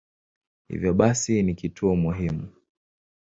Hivyo basi ni kituo muhimu.